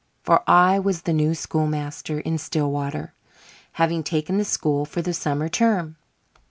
For I was "the new schoolmaster" in Stillwater, having taken the school for the summer term.